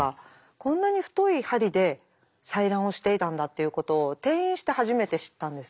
こんなに太い針で採卵をしていたんだっていうことを転院して初めて知ったんですね。